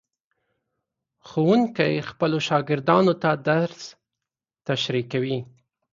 ښوونکي خپلو شاګردانو ته درس تشریح کوي.